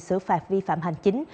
xử phạt vi phạm hành chính